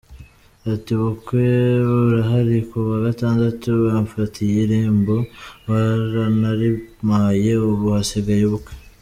Ati “Ubukwe burahari, kuwa Gatandatu bamfatiye irembo baranarimpaye ubu hasigaye ubukwe.